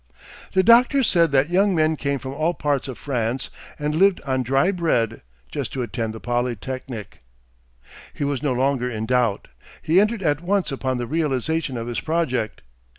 The doctor said that young men came from all parts of France and lived on dry bread, just to attend the Polytechnic. He was no longer in doubt; he entered at once upon the realization of his project.